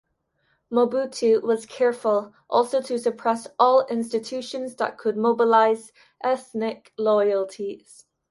Mobutu was careful also to suppress all institutions that could mobilize ethnic loyalties.